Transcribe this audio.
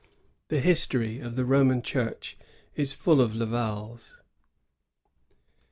The history of the Roman Church is full of Lavals.